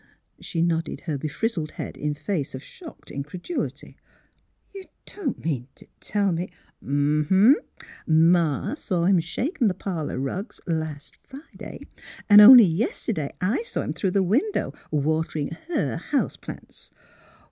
'' She nodded her befrizzled head in face of shocked incredulity. '' You don't mean t' tell me? "'^ Uh huh! Ma saw him shakin' the parlour rugs last Friday; an' only yeste'day I saw him through the window waterin' her house plants!